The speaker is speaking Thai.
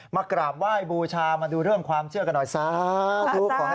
มากราบไหว้บูชามาดูเรื่องความเชื่อกันหน่อยสาธุขอให้